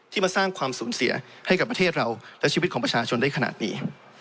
มาสร้างความสูญเสียให้กับประเทศเราและชีวิตของประชาชนได้ขนาดนี้